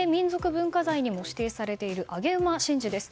文化財にも指定されている上げ馬神事です。